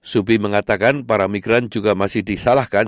subi mengatakan para migran juga masih disalahkan